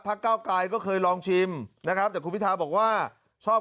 เก้าไกรก็เคยลองชิมนะครับแต่คุณพิทาบอกว่าชอบ